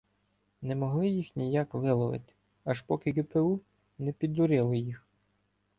Не могли їх ніяк виловити, аж поки ҐПУ не піддурило їх.